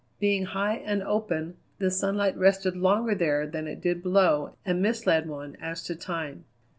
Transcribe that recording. Being high and open, the sunlight rested longer there than it did below and misled one as to time.